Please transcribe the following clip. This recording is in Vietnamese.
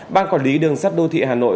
ban quản lý đường sắt đô thị hà nội